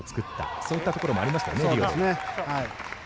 そういうところもありましたよね。